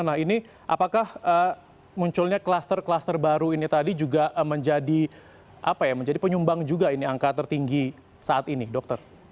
nah ini apakah munculnya kluster kluster baru ini tadi juga menjadi penyumbang juga ini angka tertinggi saat ini dokter